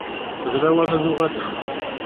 D lawan ad uɣalen.